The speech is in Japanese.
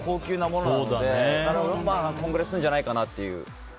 このぐらいするんじゃないかなっていう。